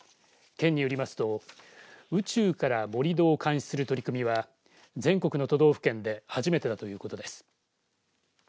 県によりますと宇宙から盛り土を監視する取り組みは全国の都道府県で初めてだということです。